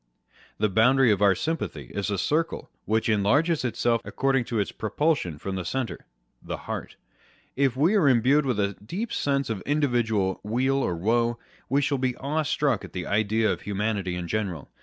The boundary of our sympathy is a circle which enlarges itself according to its propulsion from the centre â€" the heart. If we are imbued with a deep sense of individual weal or woe, we shall be awestruck at the idea of humanity in general.